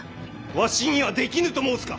わしにはできぬと申すか！